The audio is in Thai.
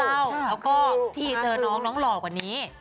แล้วก็ที่เจอน้องน้องหล่อกว่านี้